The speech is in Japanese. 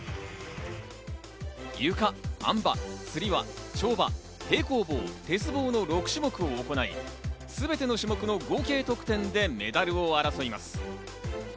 ゆか、あん馬、つり輪、跳馬、平行棒、鉄棒の６種目を行い、すべての種目の合計得点でメダルを争います。